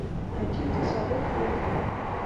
عجیب تصادف وو.